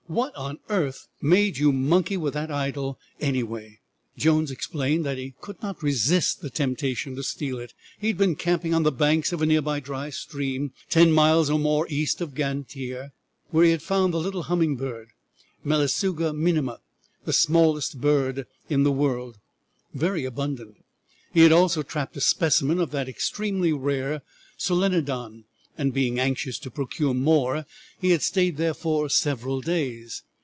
What on earth made you monkey with that idol anyway?" Jones explained that he could not resist the temptation to steal it. He had been camping on the banks of a nearly dry stream, ten miles or more east of Gantier, where he had found the little hummingbird, Mellisuga minima, the smallest bird in the world, very abundant. He had also trapped a specimen of the extremely rare Solenodon, and being anxious to procure more he had stayed there for several days.